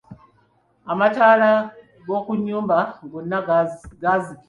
Amataala g'okunnyumba gonna gaazikila.